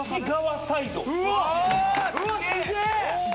うわすげえ！